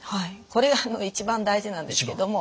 これがあの一番大事なんですけども。